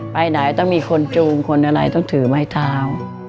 ไปไหนต้องมีคนจูงคนอะไรต้องถือไม้เท้า